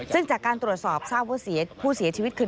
ซึ่งจากการตรวจสอบทราบว่าผู้เสียชีวิตคือ